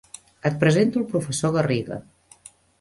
Et presento el professor Garriga.